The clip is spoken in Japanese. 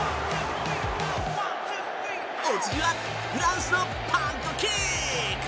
お次はフランスのパントキック。